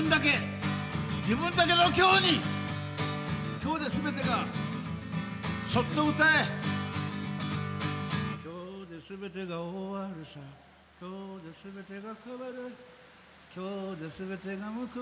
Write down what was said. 「今日ですべてが終るさ今日ですべてが変わる」「今日ですべてがむくわれる今日ですべてが始まるさ」